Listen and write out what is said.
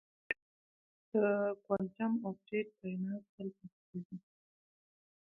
د کوانټم ابدیت کائنات تل پاتې کوي.